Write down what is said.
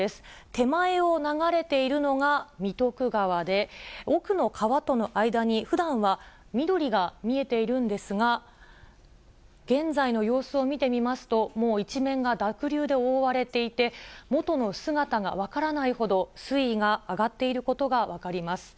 手前を流れているのが三徳川で、奥の川との間に、ふだんは緑が見えているんですが、現在の様子を見てみますと、もう一面が濁流で覆われていて、元の姿が分からないほど、水位が上がっていることが分かります。